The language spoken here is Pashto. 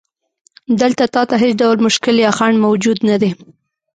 دلته تا ته هیڅ ډول مشکل یا خنډ موجود نه دی.